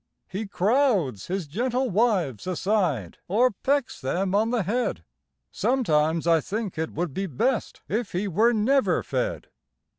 He crowds his gentle wives aside Or pecks them on the head; Sometimes I think it would be best If he were never fed.